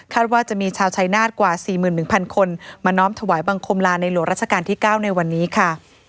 ว่าจะมีชาวชายนาฏกว่า๔๑๐๐คนมาน้อมถวายบังคมลาในหลวงราชการที่๙ในวันนี้ค่ะ